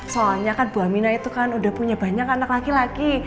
soalnya kan bu amina itu kan udah punya banyak anak laki laki